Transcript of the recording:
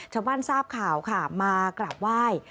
ชาวบ้านทราบข่าวค่ะมากลับว่าย